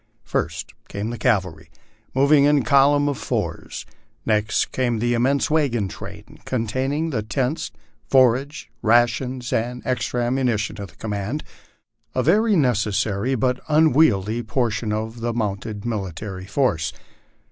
First came the cavalry, moving in column of fours; next came the immense wagon train, containing the tents, forage, rations, and ex tra ammunition of the command, a very necessary but unwieldy portion of a mounted military force.